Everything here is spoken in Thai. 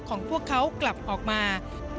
ของพวกเขากลับออกมา